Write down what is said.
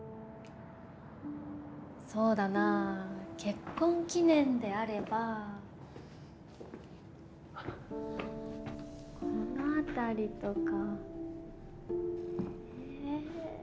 そうだなぁ結婚記念であればこの辺りとか。